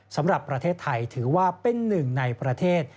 สำหรับประเทศไทยถือว่าเป็นหนึ่งในประเทศ